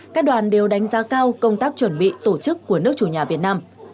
các đoàn đều đánh giá cao công tác chuẩn bị tổ chức của nước chủ nhà việt nam